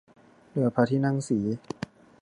เรือพระที่นั่งศรี